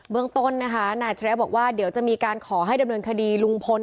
เมืองต้นนะคะนายอัจฉริยะบอกว่าเดี๋ยวจะมีการขอให้ดำเนินคดีลุงพล